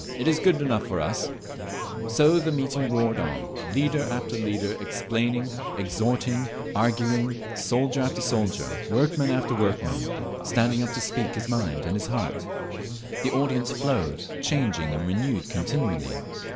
It is good enough for us…." So the meeting roared on, leader after leader explaining, exhorting, arguing, soldier after soldier, workman after workman, standing up to speak his mind and his heart…. The audience flowed, changing and renewed continually.